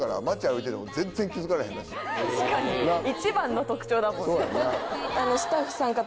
確かに一番の特徴だもんね。